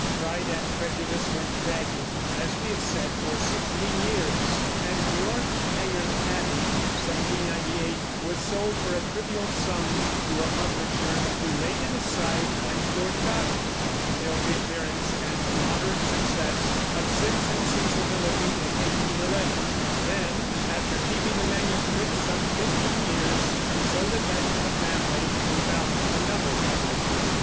Pride and Prejudice went begging, as we have said, for sixteen years; and Northanger Abbey (1798) was sold for a trivial sum to a publisher, who laid it aside and forgot it, until the appearance and moderate success of Sense and Sensibility in 1811. Then, after keeping the manuscript some fifteen years, he sold it back to the family, who found another publisher.